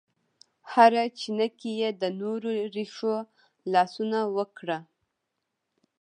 هره چینه کې یې د نور رېښو لاسونه وکړه